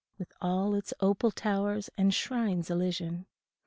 With all its opal towers and shrines elysian.